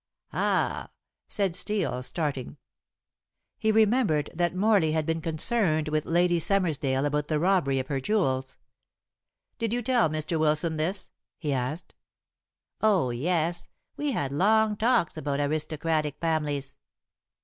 "Ha!" said Steel, starting. He remembered that Morley had been concerned with Lady Summersdale about the robbery of her jewels. "Did you tell Mr. Wilson this?" he asked. "Oh, yes. We had long talks about aristocratic families."